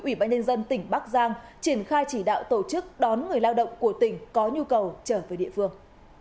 ubnd tỉnh bắc giang triển khai chỉ đạo tổ chức đón người lao động của tỉnh có nhu cầu trở về địa phương